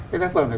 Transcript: cái tác phẩm này